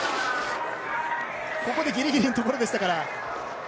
ここでギリギリのところでしたから。